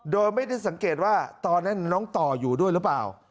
โดยไม่ได้สังเกตว่าตอนนั้นน้องต่ออยู่ด้วยหรือเปล่า